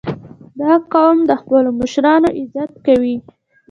• دا قوم د خپلو مشرانو عزت کوي.